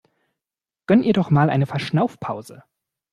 Gönn ihr doch mal eine Verschnaufpause!